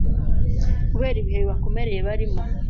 kubera ibihe bibakomereye barimo.